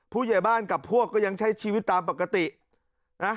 ผู้ใหญ่บ้านกับพวกก็ยังใช้ชีวิตตามปกตินะ